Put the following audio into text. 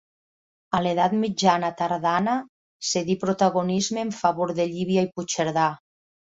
A l'edat mitjana tardana cedí protagonisme en favor de Llívia i Puigcerdà.